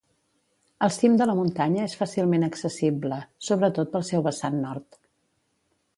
El cim de la muntanya és fàcilment accessible, sobretot pel seu vessant nord.